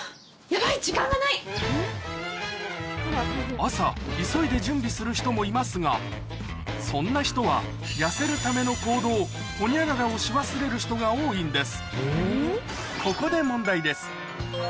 朝急いで準備する人もいますがそんな人は痩せるための行動ホニャララをし忘れる人が多いんです